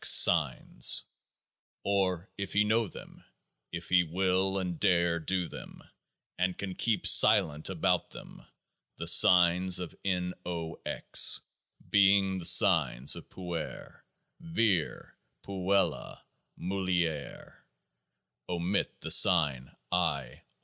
X. signs ; or if he know them, if he will and dare do them, and can keep silent about them, the signs of N. O. X. being the signs of Puer, Vir, Puella, Mulier. Omit the sign I.